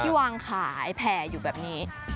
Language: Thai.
วางขายแผ่อยู่แบบนี้